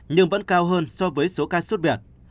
nhưng vẫn cao hơn so với số ca xuất viện